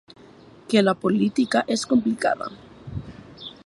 Que la política és complicada.